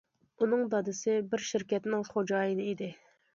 ئۇنىڭ دادىسى بىر شىركەتنىڭ خوجايىنى ئىدى.